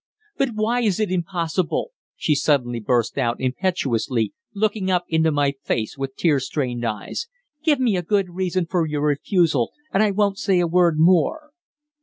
"But why is it impossible?" she suddenly burst out impetuously, looking up into my face with tear stained eyes. "Give me a good reason for your refusal and I won't say a word more."